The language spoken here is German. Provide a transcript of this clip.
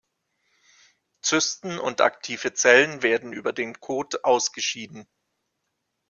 Zysten und aktive Zellen werden über den Kot ausgeschieden.